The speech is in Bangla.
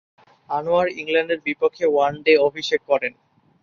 আনোয়ার ইংল্যান্ডের বিপক্ষে ওয়ানডে অভিষেক করেন।